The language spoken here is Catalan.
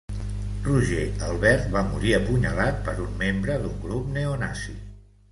Roger Albert va morir apunyalat per un membre d'un grup neonazi.